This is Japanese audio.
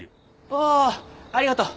ああありがとう。